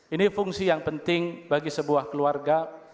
ini fungsi yang penting bagi sebuah keluarga